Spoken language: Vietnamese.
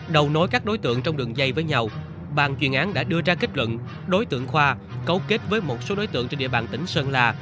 đầu nối các đối tượng trong đường dây với nhau bàn chuyên án đã đưa ra kết luận đối tượng khoa cấu kết với một số đối tượng trên địa bàn tỉnh sơn la